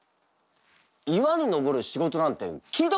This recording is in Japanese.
岩に登る仕事なんて聞いたことないぞ！